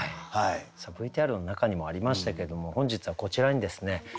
ＶＴＲの中にもありましたけれども本日はこちらにですね